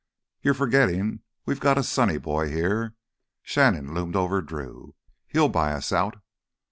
"You're forgettin' we've got us sonny boy here!" Shannon loomed over Drew. "He'll buy us out."